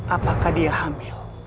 apakah dia hamil